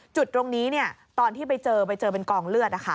จุดตรงนี้ตอนที่ไปเจอไปเจอเป็นกองเลือด